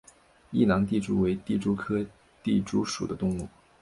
异囊地蛛为地蛛科地蛛属的动物。